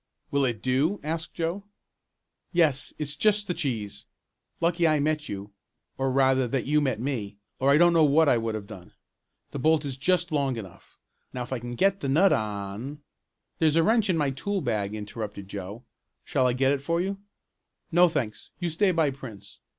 "Will it do?" asked Joe. "Yes, it's just the cheese. Lucky I met you, or, rather that you met me, or I don't know what I would have done. The bolt is just long enough. Now if I can get the nut on " "There's a wrench in my tool bag," interrupted Joe. "Shall I get it for you?" "No, thanks, you stay by Prince.